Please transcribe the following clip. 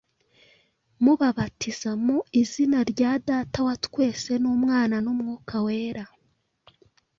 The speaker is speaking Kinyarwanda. mubabatiza mu izina rya Data wa twese n’Umwana n’Umwuka Wera.